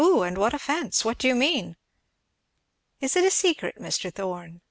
and what offence? what do you mean?" "Is it a secret, Mr. Thorn?"